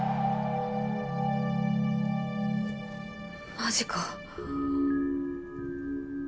マジか。